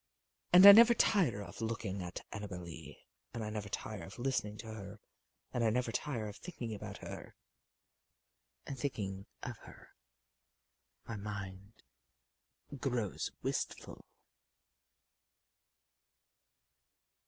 And I never tire of looking at Annabel Lee, and I never tire of listening to her, and I never tire of thinking about her. And thinking of her, my mind grows wistful.